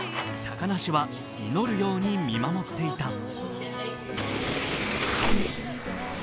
高梨は、祈るように見守っていた。